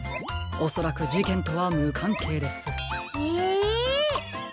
おそらくじけんとはむかんけいです。え。